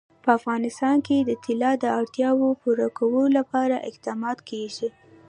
په افغانستان کې د طلا د اړتیاوو پوره کولو لپاره اقدامات کېږي.